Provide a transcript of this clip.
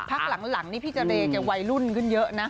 พักหลังนี่พี่เจรแกวัยรุ่นขึ้นเยอะนะ